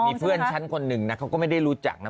มีเพื่อนฉันคนนึงน่ะก็ไม่ได้รู้จักไหม